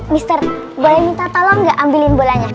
mister boleh minta tolong gak ambilin bolanya